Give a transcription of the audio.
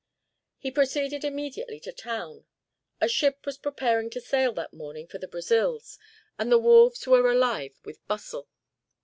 He proceeded immediately to town. A ship was preparing to sail that morning for the Brazils, and the wharves were alive with bustle.